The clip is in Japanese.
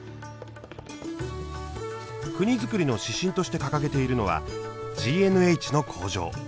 国づくりの指針として掲げているのはＧＮＨの向上。